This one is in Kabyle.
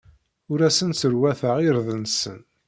Ur asen-sserwateɣ irden-nsen.